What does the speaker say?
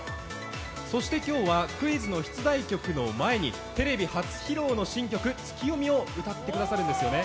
そして今日はクイズの出題曲を前に、テレビ初披露の新曲「ツキヨミ」を歌ってくださるんですよね。